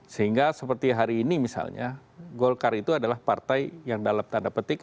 sehingga seperti hari ini misalnya golkar itu adalah partai yang dalam tanda petik